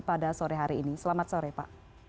pada sore hari ini selamat sore pak